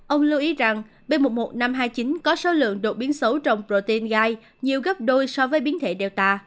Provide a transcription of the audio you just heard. ông lưu ý rằng b một một năm trăm hai mươi chín có số lượng đột biến xấu trong protein gai nhiều gấp đôi so với biến thể delta